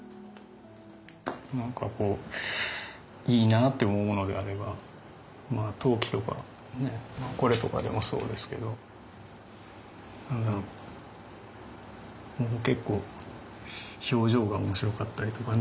何かこういいなあと思うものであれば陶器とかこれとかでもそうですけど結構表情が面白かったりとかね。